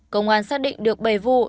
công an xác định được bảy vụ